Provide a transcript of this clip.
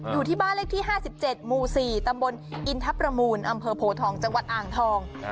อยู่ที่บ้านเลขที่๕๗หมู่๔ตำบลอินทรประมูลอำเภอโพทองจังหวัดอ่างทอง